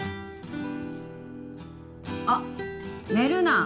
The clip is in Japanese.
あっ寝るな！